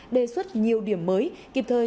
đề xuất nhiều điểm mới kịp thời